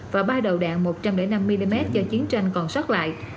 và ba đầu đạn một trăm linh năm mm do chiến tranh còn xót lại